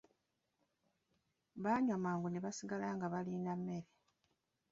Baanywa mangu ne basigala nga balinda mmere.